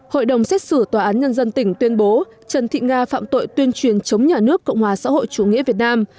hội đồng xét xử tòa án nhân dân tỉnh tuyên bố trần thị nga phạm tội tuyên truyền chống nhà nước cộng hòa xã hội chủ nghĩa việt nam